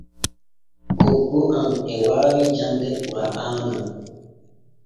Oggo am e waawi jande kura’aana.